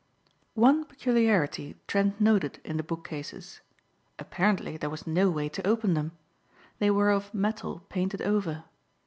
One peculiarity Trent noted in the book cases. Apparently there was no way to open them. They were of metal painted over.